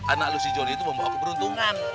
anak lu si jody itu mau bawa keberuntungan